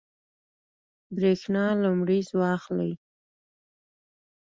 برېښنا لمریز واخلئ.